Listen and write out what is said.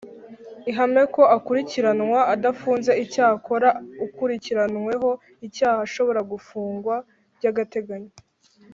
ihame ko akurikiranwa adafunze Icyakora ukurikiranyweho icyaha ashobora gufungwa by agateganyo